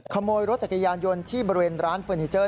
ขโมยรถจักรยานยนต์ที่บริเวณร้านเฟอร์นิเจอร์